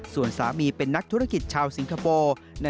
ส่วนสามีเป็นนักธุรกิจชาวสิงคโปร์